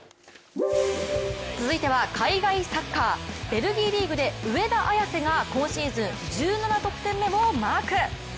続いては海外サッカー、ベルギーリーグで上田綺世が今シーズン１７得点目をマーク。